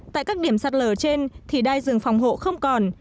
tại các điểm sạt lở trên thì đai rừng phòng hộ không còn